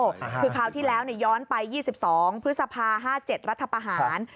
คือคราวที่แล้วย้อนไป๒๒พฤษภา๕๗รัฐประหาร